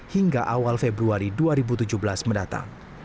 hingga awal februari dua ribu tujuh belas mendatang